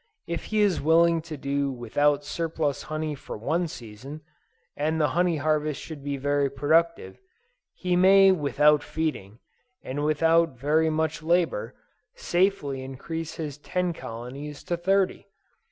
If he is willing to do without surplus honey for one season, and the honey harvest should be very productive, he may without feeding, and without very much labor, safely increase his ten colonies to thirty.